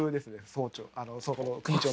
総長そこの組長の。